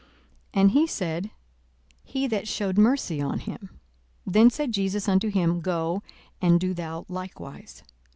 42:010:037 And he said, He that shewed mercy on him. Then said Jesus unto him, Go, and do thou likewise.